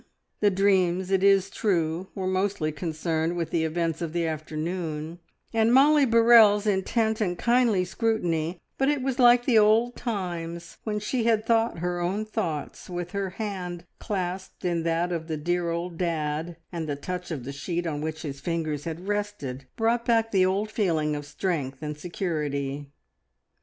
The dreams, it is true, were mostly concerned with the events of the afternoon, and Mollie Burrell's intent and kindly scrutiny; but it was like the old times when she had thought her own thoughts with her hand clasped in that of the dear old dad, and the touch of the sheet on which his fingers had rested brought back the old feeling of strength and security.